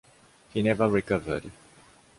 He never recovered.